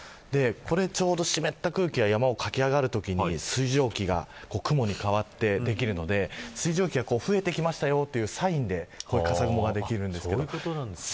ちょうど湿った空気が山を駆け上がるときに水蒸気が雲に変わって出来るので水蒸気が増えてきましたよというサインでこの、かさ雲ができます。